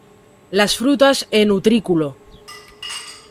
Las frutas en utrículo.